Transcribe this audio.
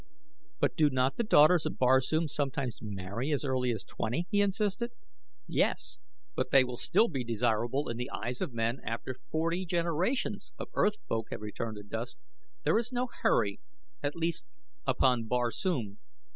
"But do not the daughters of Barsoom sometimes marry as early as twenty?" he insisted. "Yes, but they will still be desirable in the eyes of men after forty generations of Earth folk have returned to dust there is no hurry, at least, upon Barsoom.